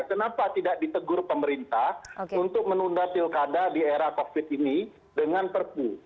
kenapa tidak ditegur pemerintah untuk menunda pilkada di era covid ini dengan perpu